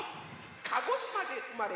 鹿児島でうまれ